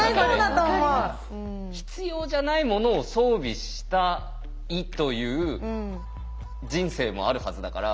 必要じゃないものを装備したいという人生もあるはずだから。